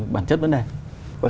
bản chất vấn đề